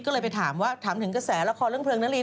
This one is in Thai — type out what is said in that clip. ก็เลยไปถามว่าถามถึงกระแสละครเรื่องเพลิงนารี